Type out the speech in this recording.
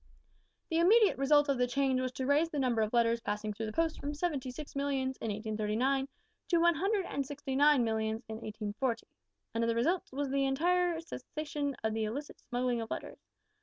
"The immediate result of the change was to raise the number of letters passing through the post from seventy six millions in 1839 to one hundred and sixty nine millions in 1840. Another result was the entire cessation of the illicit smuggling of letters.